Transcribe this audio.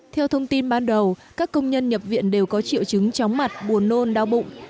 theo thông tin ban đầu các công nhân nhập viện đều có triệu chứng chóng mặt buồn nôn đau bụng